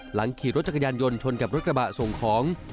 หลังขี่รถจักรยานยนต์ชนกับรถกระบะส่งของ